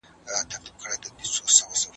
د انارګل غږ په ټوله لمنه کې ازانګې وکړې.